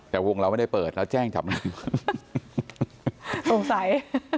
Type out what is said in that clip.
แต่วงเราไม่ได้เปิดแล้วแจ้งจับเราสงสัย